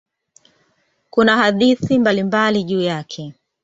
Kuna hadithi mbalimbali juu yake.